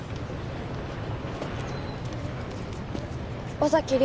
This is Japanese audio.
尾崎莉